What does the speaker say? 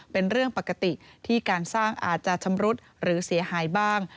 เป็นเรื่องปกติที่การสร้างอาจจะชำรุดหรือเสียหายบ้าง